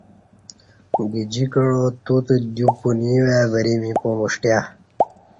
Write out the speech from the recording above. گجیکعا توتہ دیو پنوی وای وری می پمݜٹیہ